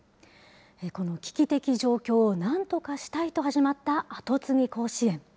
この危機的状況をなんとかしたいと始まったアトツギ甲子園。